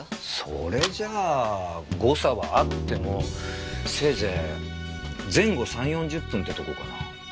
それじゃあ誤差はあってもせいぜい前後３０４０分ってとこかな。